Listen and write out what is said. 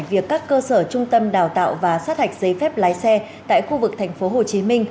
việc các cơ sở trung tâm đào tạo và sát hạch giấy phép lái xe tại khu vực tp hcm